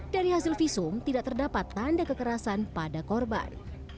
dari hasil visum tidak terdapat tanda kekerasan pada korban